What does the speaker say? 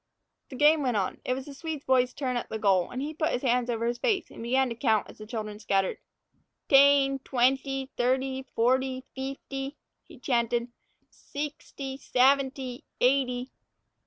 The game went on. It was the Swede boy's turn at the goal, and he put his hands over his face and began to count as the children scattered. "Tane, twanety, thirty, forty, feefty," he chanted, "seexty, saventy, eighty."